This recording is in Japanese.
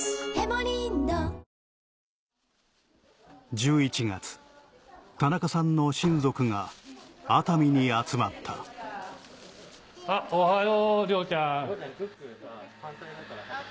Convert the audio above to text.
１１月田中さんの親族が熱海に集まったあっおはよう羚ちゃん。